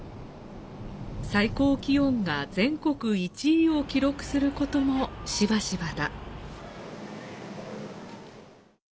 最高気温が全国１位を記録することもしばしばだ。